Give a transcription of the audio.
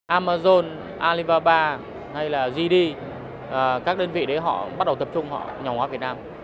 amazon alibaba hay là gd các đơn vị đấy họ bắt đầu tập trung họ nhỏ hóa việt nam